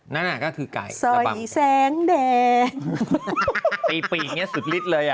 พระภายคนขีด